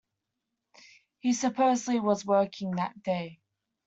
He supposedly was working that day.